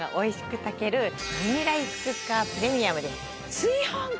炊飯器？